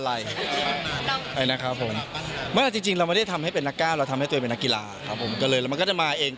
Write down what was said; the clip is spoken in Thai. ไม่แข็งแรงไม่ได้เราต้องแข็งแรง